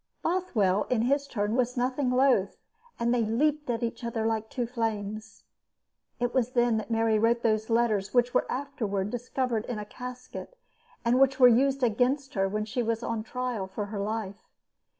Bothwell, in his turn, was nothing loath, and they leaped at each other like two flames. It was then that Mary wrote those letters which were afterward discovered in a casket and which were used against her when she was on trial for her life.